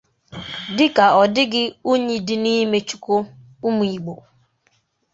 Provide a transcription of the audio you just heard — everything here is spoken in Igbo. dịka ọ dịghị unyi dị n’ime Chukwu ụmụ Igbo